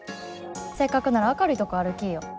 せっかくなら明るいとこ歩きいよ。